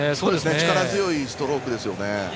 力強いストロークですね。